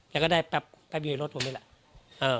แล้วก็ได้แป๊บอยู่ในรถผมนี่แหละ